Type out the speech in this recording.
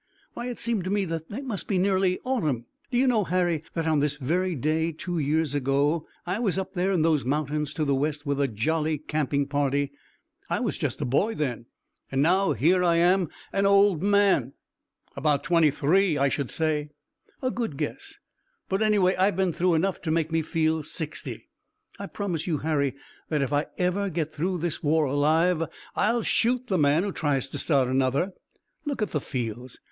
Why, it seemed to me that it must be nearly autumn. Do you know, Harry, that on this very day, two years ago, I was up there in those mountains to the west with a jolly camping party. I was just a boy then, and now here I am an old man." "About twenty three, I should say." "A good guess, but anyway I've been through enough to make me feel sixty. I promise you, Harry, that if ever I get through this war alive I'll shoot the man who tries to start another. Look at the fields!